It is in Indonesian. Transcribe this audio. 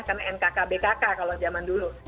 karena nkk bkk kalau zaman dulu